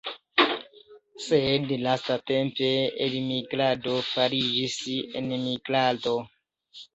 Sed lastatempe elmigrado fariĝis enmigrado.